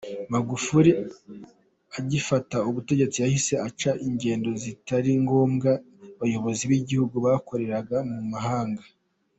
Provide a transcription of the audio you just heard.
Magufuli agifata ubutegetsi yahise aca ingendo zitari ngombwa abayobozi b’igihugu bakorera mu mahanga.